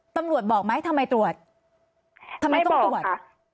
ตำรวจบอกไหมทำไมตรวจทำไมต้องตรวจ